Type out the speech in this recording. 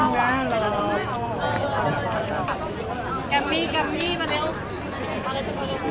เยี่ยมความความเยี่ยม